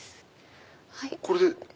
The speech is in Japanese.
これで。